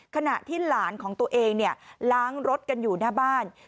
ขณะที่หลานของตัวเองล้างรถกันอยู่หน้าบ้าน